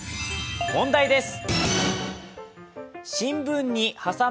問題です。